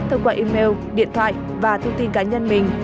thông qua email điện thoại và thông tin cá nhân mình